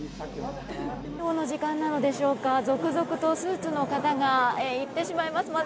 就業の時間なのでしょうか続々とスーツの方が行ってしまいます。